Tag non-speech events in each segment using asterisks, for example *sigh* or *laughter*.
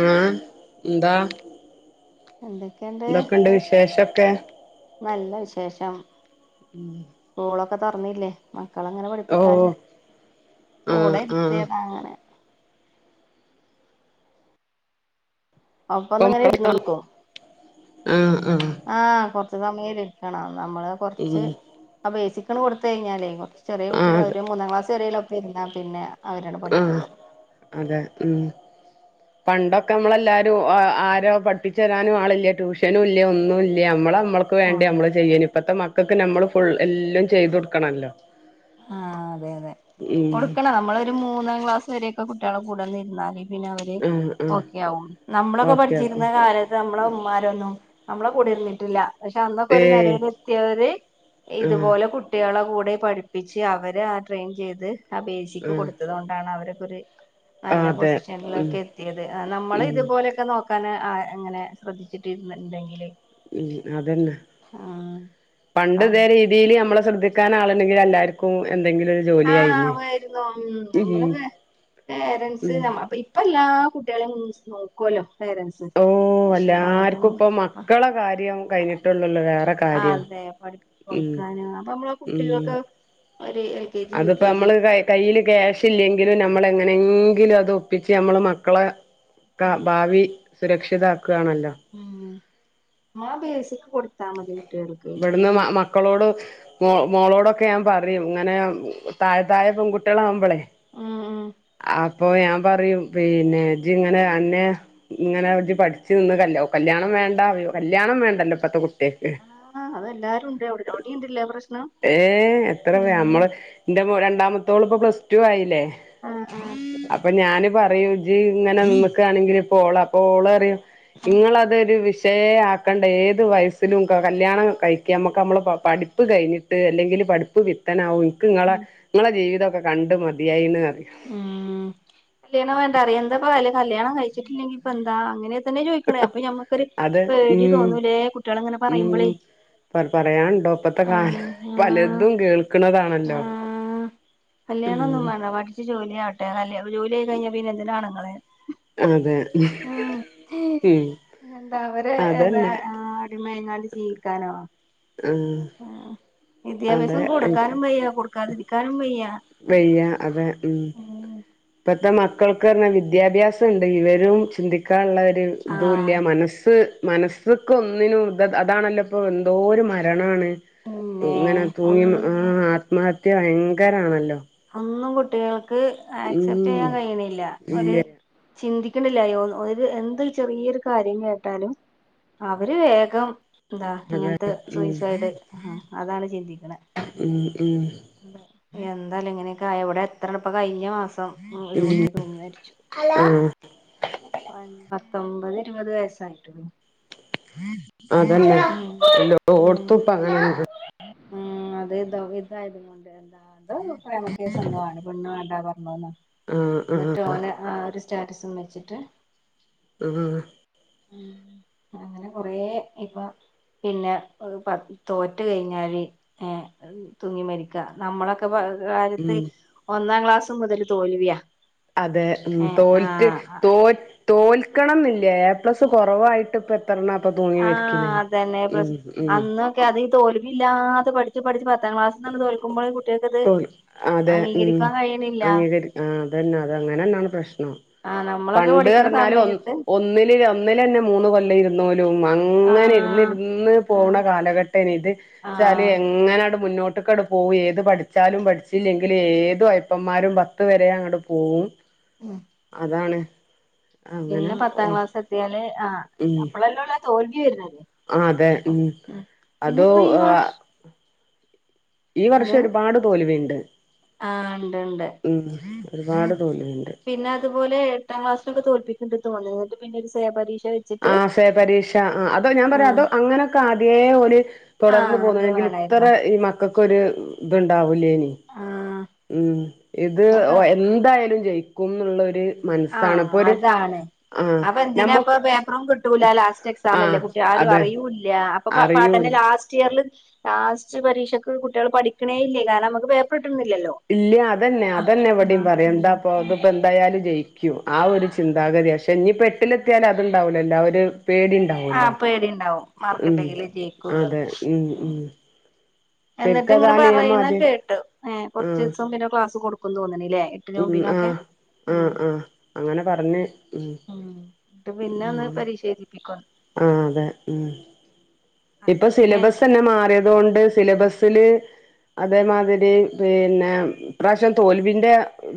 ഉം ഇന്താ എന്തൊക്കേണ്? ന്തൊക്കണ്ട് വിശേഷൊക്കെ? നല്ല വിശേഷം. ഉം. സ്കൂളൊക്കെ തൊറന്നില്ലേ മക്കളെങ്ങനെ ഓ പഠിപ്പിക്കാന് ആഹ് കൂടെ ആഹ് ഇര്ത്തിയതാണ്. ഒപ്പൊന്ന് ഇപ്പം ഇങ്ങനെ ഇരുന്നൊടുക്കും *unintelligible* ആഹ് ആഹ്. ആഹ് കൊർച്ച് സമയരിക്കണം നമ്മള് ഉം കൊർച്ച് അ ബേസിക്കണ് കൊടുത്തഴിഞ്ഞാലേയ് കൊർ ചെറീയേ ആഹ് കുട്ട്യാള് അതെ അവര് മൂന്നാം ക്ലാസ് വരേ ലൊപ്പെര്ന്നാ പിന്നെ അവരട് ആഹ് പഠിച്ചോളും. അതെ ഉം. പണ്ടൊക്കെ മ്മളെല്ലാരും ആ ആരോ പഠിപ്പിച്ചരാനും ആളില്ല ട്യൂഷനുല്ല്യാ ഒന്നുൽ നമ്മള് നമ്മൾക്ക് വേണ്ടി ആഹ് നമ്മള് ചെയ്യല് ഇപ്പത്തെ മക്കൾക്ക് നമ്മള് ഫുൾ എല്ലാം ചെയ്തു കൊടുക്കണല്ലോ. ആഹ് അതെ അതെ, ഉം കൊടുക്കണം നമ്മളൊരു മൂന്നാം ക്ലാസ് വരേയൊക്കെ കുട്ട്യാളെ കൂടെ നിന്നാല് പിന്നെ അവര് ആഹ് ആഹ് ഓക്കെ ആവും ന്നമ്മളൊക്കെ ഓക്കെ പഠിച്ചിരുന്ന ഉം കാല ന്നമ്മളെ ഉമ്മാരൊന്നും ന്നമ്മളെ കൂടേ ഇരുന്നിട്ടില്ലാ. പക്ഷെ അന്നൊക്കെ ഒരു ഏയ് നേലയിലെത്തിയവര് ആഹ് ഇതുപോലെ കുട്ട്യാളെ കൂടെ പഠി പ്പിച്ച് അവര് ആഹ് ട്രെയിൻ ചെയ്ത് ആ ബേസിക്ക് ആഹ് കൊടുത്തത് കൊണ്ടാണ് അവരോക്കൊരു നല്ല അതെ ഉം പൊസിഷനിലൊക്കെ എത്തിയത് നമ്മള് ഉം ഇതുപോലെയൊക്കെ നോ ക്കനാ അ അങ്ങനെ ശ്രദ്ധിച്ചിട്ട് ഇര്ന്ന്ട്ട്ണ്ടേങ്കിലേയ് ഉം അതന്നെ പണ്ട് ഇതേ പറഞ്ഞു രീ തില് ഞമ്മളെ ശ്രദ്ധിക്കാനാളുണ്ടെങ്കി എല്ലാർക്കും എന്തെങ്കിലൊ ആഹ് വരുന്നു ഉം നമ്മളെ പേ പേരൻസ് ഉം ഞമ്മളെ പ്പേ ഇ പ്പ എല്ലാ കുട്ട്യാളീം നോക്കുല്ലോ പേരൻസ്. ഓഹ് പക്ഷെ ഇതാകുമ്പോ എല്ലാർക്കുംപ്പ മക്കളെ കാര്യം കയ്ഞ്ഞിട്ടെള്ളൊല്ലോ വേറെ കാ ആഹ് അതെ പഠിപ്പിച്ച് കൊടുക്കാന് അപ്പൊ മ്മളെ കുട്ടികൾക്ക് അയ് ഒര് എ അത്പ്പൊ അമ്മള് കൈ കയ്യില് ക്യാഷില്ലെങ്കിലും നമ്മളെങ്ങനെങ്കിലും അത് ഒപ്പിച്ച് നമ്മള് മക്കളെ ക്കാ ഭാവി സുരക്ഷിതാക്ക് ആണല്ലോ. ഉം മ്മളാ ബേസിക്ക് കൊടുത്താ മതി കുട്ട്യാൾക്കയ് കെ ഇവിടുന്ന് ജി മക്കളോട് മോ മോളോടൊക്കെ ഞാം പറയും ഇങ്ങനെ താഴ തായെ പെൺകുട്ട്യാളാവുംമ്പളെയ് ഉം ഉം. അപ്പൊ ഞാം പറയും പിന്നെ ജ്ങ്ങനെ അന്നെ ഇങ്ങനെ ജ് പഠിച്ച് നിന്ന് കല്ല്യ കല്ല്യാണം വേണ്ടാ കല്ല്യാണം വേണ്ടല്ലോ ഇപ്പത്തെ കു ട്ട്യാക്ക് ആ അതെല്ലാരും ഉണ്ട് അവിടെ അവിടെ ഉണ്ടല്ലേ പ്രശ്നം ഏഹ് എത്ര ഉം ഞമ്മള് ൻ്റെ മൊ രണ്ടാമത്തോള് പ്പൊ പ്ലസ്ടു ആയിലേ. ആഹ് ആഹ്. അപ്പൊ ഞാന് പറയും ജ് ഇങ്ങനെ നിന്ന്ക്കാണെങ്കിലി പ്പോ ഓള അപ്പൊ ഓള് അറിം ഇങ്ങളതൊരു വിഷ് ശയേ ആക്കണ്ട ഏത് വയസ്സിലും ക കല്ല്യാണം കഴിക്കാ മ്മക്ക് അമ്മളെ പ പഠിപ്പ് കെയ്ഞ് അല്ലെങ്കില് പടിപ്പ് വിത്തനാവും ഇൻക്ക് ഇങ്ങളെ ഉം ഇങ്ങളെ ജീവിതക്കെ കണ്ട് മതിയായീന്ന് അറിം. ഉം കല്യാണം വേണ്ട അറിയാം എന്താപ്പ വല് കല്യാണം കഴിച്ചിട്ടില്ലെങ്കി ഇപ്പന്താ അങ്ങനെ തന്നെ ചോയ്ക്ക്ണ് അപ്പൊ ഞമ്മക്കൊരു അത് പേടി ഉം തോന്നൂലേ കുട്ട്യാള്ങ്ങനെ പറയുമ്പളേയ്. പറ പറയാണ്ടോ പ്പത്തെ കാലം പലതും കേൾക്ണതാണല്ലോ. കല്യാണം ഒന്നും വേണ്ട പഠിച്ചു ജോലി ആവട്ടെ കല്യാ ജോലി ആയി കഴിഞ്ഞാ പിന്നെന്തിനാണ്ങ്ങളേ. അതെ ഉം ഉം എന്താ അവര് എന്താ അതന്നെ ആ ഒരുമയങ്ങാട് ജീവിക്കാനോ ഉം ആഹ് വിദ്യാഭ്യാസം കൊടുക്കാനും വയ്യ കൊടുക്കാതിരിക്കാനും വയ്യ വയ്യ അതെ ഉം ഇപ്പത്തെ മക്കൾക്ക് ന്നർഞ്ഞാ വിദ്യാഭ്യാസംണ്ട് വിവരും ചിന്തിക്കാനുള്ളവര് ആഹ് ഇതുല്ല മനസ്സ് മനസ് ഇതക്ക് ഒന്നിനും ഇ അതാണല്ലോ ഇപ്പോൾ എന്തോ ഒരു മരണമാണ് പിന്നെ ഇങ്ങനെ തൂങ്ങി ഒന്നും ആഹ് ആത്മഹത്യ ഭയങ്കരാണല്ലോ ഒന്നും കുട്ടികൾക്ക് ആക്സെപ്റ്റ് ഉം ചെയ്യാൻ കഴിണില്ല ഇല്ല ഒരു ചിന്തിക്ക്ണില്ലായോ ഒര് എന്തൊരു ചെറിയൊരു കാര്യം കേട്ടാലും അവര് വേഗം എന്താ അതെ ഇങ്ങൻത്തെ ഉം സൂയിസൈഡ് അതാണ് ചിന്തിക്ക്ണ ഉം ഉം എന്താല്ലേ ഇങ്ങനെയൊക്കെ ആയ ഇവടെ എത്ര ഇപ്പം കഴിഞ്ഞ മാസ പം ഒരു ഉം കുട്ടി തൂങ്ങി മരിച്ചു ആഹ് പത്തൊമ്പത് ഇരുപത് വയസ്സായിട്ടുള്ളു അതന്നെ ഉം എല്ലോട്ത്തുപ്പം അങ്ങനെന്നെ ഉം അത് ഇതോ ഇതായത് കൊണ്ട് എന്താ പ്രേമ കേസ് എന്തോ ആണ് പെണ്ണ് വേണ്ടാ പറഞ്ഞന്ന് ആഹ് ആഹ് എന്നിട്ട് ഓന് ആ ഒരു സ്റ്റാറ്റസും വെച്ചിട്ട് ഉം അങ്ങനെ കൊറേ ഇപ്പൊ പിന്നെ പ തോറ്റ് കഴിഞ്ഞാല് ഏഹ് തൂങ്ങി മരിക്ക നമ്മളൊക്കെ ഉം കാലത്ത് ഒന്നാം ക്ലാസ് മുതൽ തോൽവിയാ അതെ ഉം ഏ തോറ്റ് ആഹ് തോ തോൽക്കണം എന്നില്ല എ പ്ലസ് കുറവായിട്ട് ഇപ്പം എത്രണ്ണ പ്പൊ തൂങ്ങി മരിക്ക്ണ് ആഹ് അതന്നെ ഉം പ്രശ് ഉം അന്നൊക്കെ അത് ഈ തോൽവില്ലാതെ പഠിച്ച് പഠിച്ചു പത്താം ക്ലാസ്ന്നങ്ട്ട് തോല് *unintelligible* അതെ ഉം അംഗീകരിക്കാൻ കഴിയണില്ല അംഗീകരി ആ അതന്നെ അത് അങ്ങനെന്നാണ് പ്രശ്നം ആഹ് നമ്മളൊക്കെ പണ്ട് പഠിക്കണ പറഞ്ഞാല് ഒ സമയത്ത് ഒന്നില് ഒന്നിലന്നെ മൂന്ന് കൊല്ലം ഇരുന്നോലും അങ്ങനെ ഇരുന്ന് ആഹ് രുന്ന് പോണ ആഹ് കാലഘട്ടേനി ഇത് ചാല് ആഹ് എങ്ങനട് മുന്നോട്ട്ക്കടെ പോകും ഏത് പഠ പഠിച്ചാലും പഠിച്ചല്ലെങ്കിലും ഏതു ഒയപ്പന്മാരും പത്ത് വരെ അങ്ങട്ട് പോവും ഉം അതാണ് അങ്ങനെ പിന്നെ പത്താം ഓ ക്ലാസ് എത്തിയാല് ആ അപ്പളല്ലോള്ളൂ ആ തോൽവി വര്ണത് ആഹ് അതെ ഉം അതോ ഈ ആ വർഷം ഈ ഉണ്ട് വർഷം ഒരുപാട് തോൽവിണ്ട് ആഹ് ഉണ്ട് ണ്ട് ഉം ഒരുപാട് തോൽവിണ്ട് പിന്നെ അതുപോലെ, എട്ടാം ക്ലാസിലൊക്കെ തോൽപ്പിക്ക്ണ്ട് തോന്ന്ന് ന്ന്ട്ട് പിന്നെ ഒരു സേ പരീക്ഷ എഴ ആഹ്, സേ പരീക്ഷ. ആഹ് അത് ഞാൻ പറയാ ആഹ് അതോ അങ്ങനൊക്കെ ആദ്യേ ഓല് തുടർന്ന് ആഹ് അതേ പോന്നീനെങ്കിൽ, ഇത്ര വേണായിരുന്നു ഈ മ ക്കക്കൊരു ഇത് ഇണ്ടാവുലേയിനി. ആഹ് ഉം. ഇത് അപ്പൊ എന്തായാലും ജയിക്കുംന്നുള്ള ഒര് ആഹ്, അതാണ്. അപ്പൊ എന്തിനാപ്പൊ ഞമ്മക്ക് പേപ്പറും കി ട്ടൂല, ലാസ്റ്റ് എക്സാമല്ലേ ആഹ് കുട്ടി ആരും അതെ അറിയൂല്ല, അപ്പൊ പാ പാട്ടൻ്റെ അറിയൂല്ല ലാസ്റ്റ് ഇയർല് ലാസ്റ്റ് പരീക്ഷക്ക് കുട്ടികൾ പഠിക്കണേ ഇല്ലേ. കാരണം നമുക്ക് പേപ്പർ കി ട്ട്ണില്ലല്ലോ ഇല്ല. അതന്നെ അതന്നെ ഇവടിം പറയ. ന്താപ്പൊ ആഹ് ഇതിപ്പോ ത്തയാലും ജയിക്കും ആ ഒരു ചിന്താഗതി ആ ക്ഷെ ഞ്പ്പ എട്ട് ലെത്തിയാല് അതുണ്ടാവ് ല്ലല്ലോ ആ ഒരു പേടി ണ്ടാവല്ലോ ആഹ് പേടിണ്ടാവും ഉം മാർക്കിണ്ടെങ്കിലേ ജയിക്കുള്ളൂന്ന് അതെ ഉം ഉം എന്ന്ട്ട് ഇങ്ങന ശരിക്കതാണ് ഞാൻ പറയുന്ന ആദ്യം കേട്ടു ഏ ആഹ് കൊർചൂസം പിന്നെ ക്ലാസ് കൊടുക്കു തോന്ന്ണ് ലെ നോബിനൊകെ ആഹ ആഹ അങ്ങന പറഞ്ഞ് ഉം ട്ട് പിന്നെ ഒന്ന് ഉം പരിശീലിപ്പിക്കും ആഹ അതെ ഉം ഇപ്പ അതില് പിന്നെ സിലബസന്നെ മാറിയതോണ്ട് സിലബസില് അതേമാതിരി പിന്നെ ഇപ്രാശ്യം തോൽവിന്റെ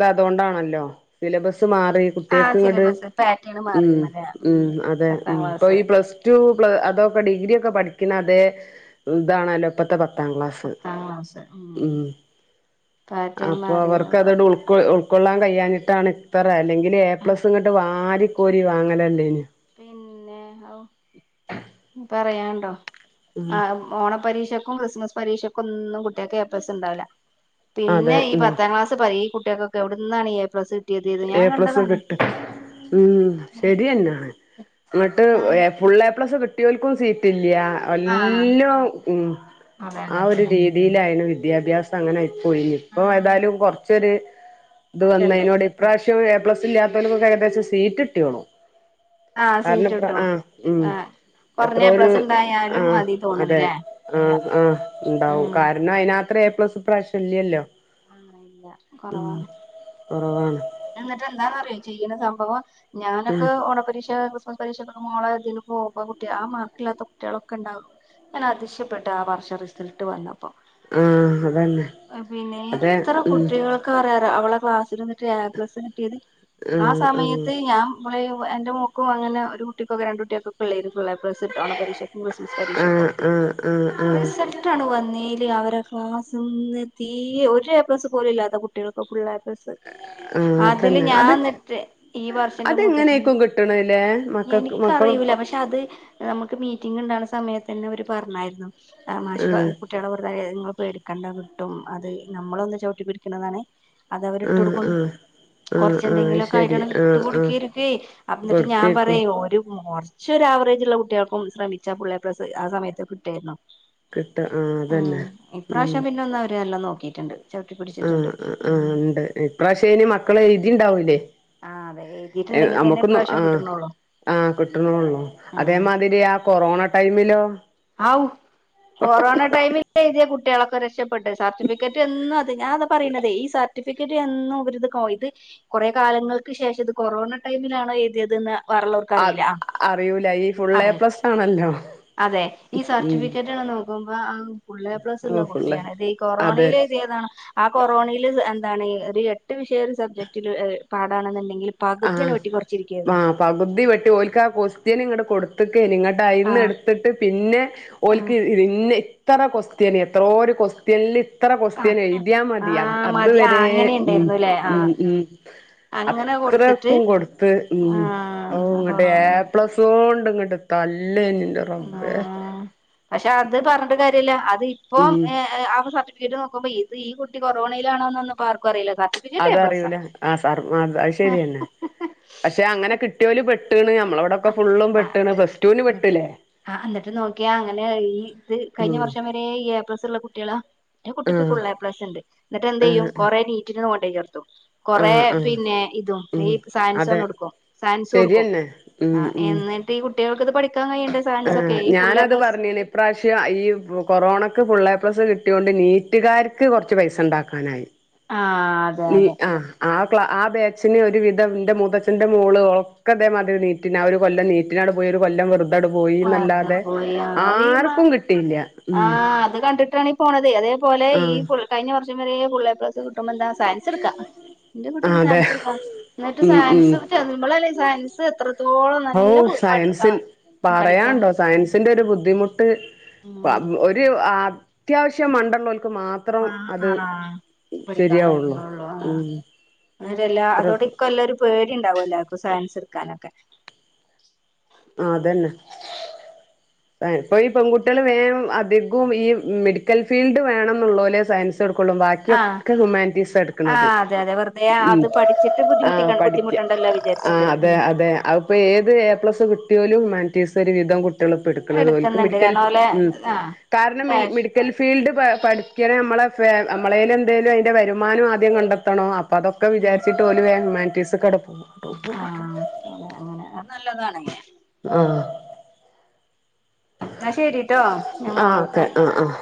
ത് അതോണ്ടാണല്ലോ സിലബസ് മാറി ആ കുട്ടേക്ക് ഇങ്ങട്ട് സിലബസ് പാറ്റേൺ ഉം മാറിന്നല്ലേ ഉം അതെ പത്താം ഉം ഇപ്പൊ ക്ലാസ് ഈ പ്ലസ് റ്റു പ്ല അതൊക്കെ ഡിഗ്രിയൊക്കെ പഠിക്ക്‌ന്ന അതേ ഇതാണല്ലോ ഇപ്പത്തെ പ ത്താം ക്ലാസ്സ്‌ പത്താം ക്ലാസ് ഉം പാറ്റേൺ അപ്പൊ മാറിന്ന് അവർക്കത് പറഞ്ഞു ഉൾ ക്കൊ ഉൾക്കൊള്ളാൻ കയ്യാഞ്ട്ടാണ് ഇത്തറെ അല്ലെങ്കില് എ പ്ലസ് ഇങ്ങട്ട് വാരി കോരി വാങ്ങലെല്ലയ്ന്യോ പിന്നെ അവു പറയാണ്ടൊ ആ ഉം ഓണ പരീക്ഷക്കും ക്രിസ്മസ് പരീക്ഷയ്ക്കൊന്നും കു ട്ടെക്കെ എ പ്ലസ്സ് ണ്ടാവില്ല പിന്നെ അതെ ഈ ഉം പത്താം ക്ലാസ് പരി ഈ കുട്ടെകക്കൊ എട്ന്നാണി എ പ്ലസ്സ് എ പ്ലസ് കിട്ട് ഉം ശരിയെന്നാണ്. ങ്ങട്ട് ആ എ ഫുൾ എ പ്ലസ് കിട്ടിയോൽക്കും സീറ്റ് ഇൽയാ ആ ഒല്ലും ഉം അതെ ആ അങ്ങനെ ഒരു തന്നെ രീ തിയിലായിണ് വിദ്യാഭ്യാസം അങ്ങനെ ആയിപ്പോയിനി ഇപ്പ ആഹ് ഏതാലും കൊർ ച്ചൊര് ഇത് മാറ്റണ്ട് വന്നേയിനോട് ഇപ്രാവശ്യം എ പ്ലസ് ഇല്ലാത്തോൽകൊക്കെ ഏകദേശം സീറ്റ് ട്ടിയോളും. ആഹ് കാരണം സീറ്റ് പ കിട്ടും ആഹ് ഉം ആഹ് കൊറഞ്ഞ എ എത്രരു പ്ലസ് ആ ഉണ്ടായാലും മതി അതെ തോന്നണില്ലേ ആഹ ആഹ് ണ്ടാവും ഉം കാരണം അയിനാത്ര എ പ്ലസ് ഇപ്രാവശ്യം ഇൽയല്ലോ. ആണ ഇല്ല കൊറവാണ്. ഒറവാണ്. എന്നിട്ട് എന്താന്ന്അറിയോ ചെയ്യുന്ന സംഭവം ഉം ഞാനൊക്കെ ഓണപരീക്ഷ ഓണ പരീക്ഷക്കൊക്കെ മോളേ ഇതിന് പോക്മ്പ കുട്ടി ആ മാർക്ക്‌ലാത്ത കുട്ടിയെളൊക്കെ ണ്ടാവു ഞാന് അത്ശയപ്പെട്ട ആ വർഷ റിസൽ ട്ട് വന്നപ്പം ആഹ് അതന്നെ പിന്നെ അതെ എത്ര ഉം കുട്ടികൾ *unintelligible* അവള ക്ലാസ്സിൽന്നിട്ട് എ പ്ലസ് കിട്ടിയത് ആ സമയത്ത് ഞാൻ *unintelligible* എന്റെ മോക്കും അങ്ങനെ ഒരു കുട്ടിക്കൊക്കെ രണ്ട് കുട്ടേൾകൊ പ്പളേയ്നും ഫുള്ള് എ പ്ലസ്സ് ട്ടൊ ഓണ പരീക്ഷ കൃഷ്മസ്സ്‌ പരീക്ഷക്കും ആഹ് ആഹ് ആഹ് ആഹ് ആഹ് ആഹ് റിസൽ ട്ടാണ് വന്നീല് അവരെ ക്ലാസ്സ്ന്ന് തീ ഒര് എ പ്ലസ്സ് പോലും ഇല്ലാത്ത കുട്ട്യേൾകൊക ഫുള്ള് എ പ്ലസ്സ് ആഹ് അതില് അതന്നെ അത് ഞാന്ന്ട്ട് ഈ വർഷന്റെ മൂത്തഛെന്ന് അതെങ്ങനെക്കും കിട്ടണല്ലേ മക്കൾക്ക് മക്കളും എനിക്കറിയൂല പക്ഷെ ട്ടഅത് അമക്ക് മീറ്റിംഗ് ണ്ടാക്ണ സമയത്തെന്നെ അവര് പറഞ്ഞായിരുന്നു ആ മാശ് പറ ആഹ് കു ട്ടിളെ വെറുതെ ങ്ങള് പേടിക്കേണ്ട കിട്ടും അത് നമ്മളൊന്ന് ചൗട്ടിപ്പിടിക്ക്‌ണതാണ്. അത് അവര്ട്ട് ആഹ് ഒട്ക്കും ആഹ് ആഹ് ആഹ് അത് കൊർചെന്തെങ്കിലൊക്കെ ശരി ആയിട്ടാണ് ഇട്ട് ആഹ് ആഹ് കൊട്ക്കാരിക്കെ അ ന്ന്ട്ട് ഞാ കൊടുത്തേക്കും പറയും ഓര് ചൊരു ആവറേജ്ള്ള കുട്ട്യേക്കും ശ്രമിച്ചാ ഫുള്ള് എ പ്ലസ്സ് ആ സമയത്ത് കിട്ടെയിരുന്നു. കിട്ട ആഹ് ഉം അതന്നെ ഇപ്രാവശ്യം പിന്നെന്ന അവര് എല്ലാം നോക്കിട്ട്ണ്ട്. ഉം ഉം ണ്ട് ഇപ്രാവശ്യ അയ്ന് മക്കളെ എയ്തിണ്ടാവൂല്ലേ. ആഹ് അതെ എയ്തിട്ട്ണ്ടെങ്കിതന്നെ പ്രാവശ്യം കിട്ടണോള്ളൂ. ആഹ കിട്ട്ണോള്ളൂ അതേമാതിരി ആ കൊറോണ ടൈമിലോ ആവൂ കൊറോന ടൈമി ഇപ്പോൾ എഴുതിയ കുട്ടികളൊക്കെ രക്ഷപ്പെട്ട് സർട്ടിഫിക്കറ്റ് എന്നും അത് ഞാൻ അത് പറണുന്നത്ഈ സ സർട്ടിഫിക്കറ്റ് എന്നുംരി ഇത് ഇത് കൊറെ കാലങ്ങൾക്ക് ശേഷം ഇത് കൊറോണ ടൈമിലാണ് എഴുയതിയതിന്ന് അ അറില ഈ ഫുൾ എ അറിയാം പ്ലസ് ആണല്ലോ അതെ ഈ ഉം സർട്ടിഫിക്കറ്റ്ണ നോ ആക്കുമ്പ പുള്ളെ പ്ലസ്ള്ള ഓഹ് ഫുള്ള് കുട്ടിയാണ് ഇത് ഈ അതെ കൊറോണയില എഴുതിയ താണ് ആ കൊറോണയിൽ എന്താണ് ഒരു എട്ട് വിഷയം ഒരു സബ്ജക്റ്റില് പാടാണെന്നുണ്ടെങ്കില് ആ ആ പകുതി വെട്ടി ഓലക് ആ കൊക്സ്റ്റ്യൻ ഇങ്ങടെ കൊടുത്തട്ട് നിങ്ങ ന്ന് ആഹ് എടുത്തിട്ട് പിന്നെ ആഹ് ഓലക്ക്ന്ന ഇത്ര കൊസ്തിയാണ് എന്തോഒരു കൊസ് ത്യനിൽ ഇത്ര ക്സ്ത്യൻ ആഹ് എഴുതിയാൽ മതി അ ആഹ് മതി ആഹ് അതുവരെ അങ്ങനെ ഉ ഉണ്ടായിരുന്നുല്ലേ ഉ ആഹ് ഉ അങ്ങനെ കൊടുത്തിട്ട് എത്രക്കും കൊടുത്ത് ആഹ് ഉങ്ങട്ട് എ കൊറോണയില് പ്ലസ് സോണ്ട് ഇങ്ങട്ട് തല്ലെന്ന് ഉ പക്ഷെ അത് പറഞ്ഞിട്ട കാര്യല്ല അത് ഇപ്പോം ഉം ഏ സർട്ടി വീട് നോക്ക്പോ ഇത് ഈ കുട്ടി കൊറോണാണോന്നപ്പോ ആർക്കും അറിയില്ല കാ അതറിയൂല ആ സർ അ അത് ശരിയന്നെ പക്ഷെ അങ്ങനെ കി റ്റൽ പെട്ടണ് നമ്മള അവിടെക്ക ഫുള്ളും പെട്ടണ് പ്ലസ് ടുവിന് പെട്ടില്ലേ ആ എന്നിട്ട് നോക്കിയാ അങ്ങനെ ഈ ഇത് കഴിഞ്ഞ ഉം വർഷം വരെ എ പ്ലസ് ഉള്ള കുട്ടികളാ എന്റെ കുട്ടക്ക് ആഹ് ഫുൾ ഐ പ്ലസ് ഉണ്ട് എന്നിട്ട എന്ത ചെയ്യും ആഹ് കൊറെ നീറ്റിന് കൊണ്ടേയ് ചേർത്തും കൊറേ ആഹ് ആഹ് പിന്നെ ഇതും ഈ ഉം സയൻസ് അതെ ഒന്ന എടുക്കും സയൻസ് കൊടുക്കും ശരിയെന്നെ ആ ഉം എന്നിട്ട് ഈ കുട്ടികൾക്ക് ഇത് പഠിക്കാൻ കഴിയണ്ടേ ആ സയൻസ് ഒക്കെ ഈ ഫുൾ എ ഞാനത് പ്ലസ് പറഞ്ഞി ന് ഇപ്രരാവശ്യം ഈ കൊറോണക്ക് ഫുള്ളെ പ്ലസ്സ് കിട്ടിയൊണ്ട് നീറ്റുകാർക്ക് കുറച്ച് പൈസ ഉണ്ടാക്കാനായി ആ അതെ നീ അതെ ആഹ് ആ ക്ലാ ആ ബേച്ചന് ഒരു വിധംന്റെ മുതത്തച്ഛ്ന്റെ മോള് ഒക്ക അതേ മതിരി നീ പിന്നെ ആ ഒരു കൊല്ലം നീറ്റിനാണ് പോയി ഒരു കൊം വെറുത് വറുതാ പോയി അറീ ആർക്കും കിട്ടിയില്ല ഉം ആഹ അത് കണ്ടിട്ടണ പോണത് അതേപോലെ ഈ ആഹ് കഴിഞ്ഞ വർഷങ്ങളിൽ ഫൂൾഎ പ്ലസ്കൂട്ടുമ്പോ എന്താ സയൻസ് എടുക്കാ എന്റെ ആഹ് കുട്ടിക്ക് അതെ സയൻസ് എടുക്കാം എന്നിട്ട് ഉം ഉം സയൻസ് നമ്മളല്ലേ സയൻസ് എത്രത്തോളം നല്ല പഠിക്കണം പഠിക്കാം പറയുണ്ടോ സയൻസിന്റെ ഒരു ബുദ്ധിമുട്ട് ഉം ഒരു അത്യാവശ്യ മണ്ട ളോർക്ക് മാ ആ ആഹ് ആണാപിഠിക്കാൻ ശരിയാവുള്ളൂ കഴിവോള്ളോ ആ ഉം അല്ലാ അതോടെ അത്രക്ക് ഇക്ക എല്ലാം ഒരു പേടി ഉണ്ടാവുമല്ലർക്കും സയൻസ് എടുക്കാനൊക്കെ ആ അതന്നെ ഇപ്പൊ ഈ പെൺകുട്ടികൾ വേം അധികവും ഈ മെഡിക്കൽ ഫീൽഡ് വേണം എന്നുള്ള ലേ സയൻസ് എടുക്കൊള്ളും ബാക്കി ആഹ് ബാക്കിയൊക്കെ ഹുമാനിറ്റീസ് എടുക്കണത് ആഹ് അതെ അതെ വെറുതെ ഉ അത് പഠിച്ചിട്ട് ആ ബുദ്ധിമുട്ടിക്ക പഠിക്ക ബുദ്ധിമുട്ടുണ്ടല്ലോ ആ വിചാരിച്ചിട്ട് അതെ ഉം അതെ അപ്പോ ഏത് എ പ്ലസ് കിട്ടിയലും ഉമൻറ്റീസ ഒരു വിധം കുട്ടികള് ഇപ്പോ എടുക്കും ഒൽക് എടുക്കുന്നുണ്ട് മെഡിക്കൽ കാരണം ഓലെ ആഹ് കാരണം മിൽ പാഷ് മെഡി ക്കൽ ഫീൽഡ് പഠിക്കണേ നമ്മളെ നമ്മളേല് എന്തെേലും അതിൻ്റെ വരുമാനം ആദ്യം കണ്ടെത്തണം അപ്പ അതൊ ഉം വിചാരിച്ചട്ട്ഓല് വേഗം ഹ്യമാൻറ്റീസ് കാണ്ട് ആഹ അ അങ്ങനെ അത് നല്ലതാണെെല്ലെ ആഹ ആ ശെരിട്ടോ ഞാൻ മോള ആഹ് ഓക്കെ കാര്യങ്ങള ആഹ് ആഹ്